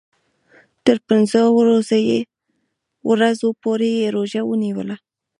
تر پنځو ورځو پوري یې روژه ونیوله.